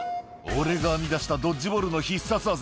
「俺が編み出したドッジボールの必殺技」